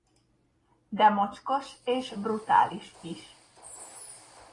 De mocskos és brutális is.